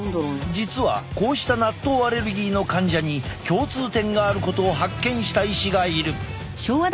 実はこうした納豆アレルギーの患者に共通点があることを発見した医師がいる。